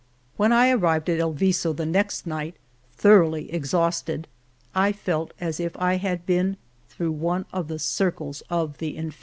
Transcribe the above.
When I arrived at El Viso the next night, thoroughly exhausted, I felt as if I had been through one of the circles of the Inferno.